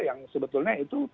yang sebetulnya itu